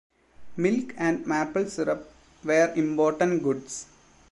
Milk and maple syrup were important goods.